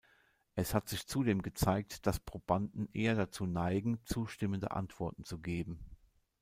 Es hat sich zudem gezeigt, dass Probanden eher dazu neigen, zustimmende Antworten zu geben.